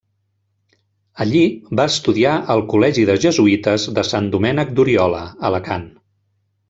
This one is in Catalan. Allí va estudiar al col·legi de jesuïtes de Sant Domènec d'Oriola, Alacant.